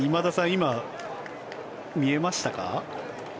今、見えましたか？